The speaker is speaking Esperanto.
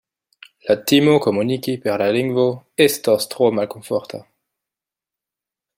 La timo komuniki per la lingvo estos tro malkomforta.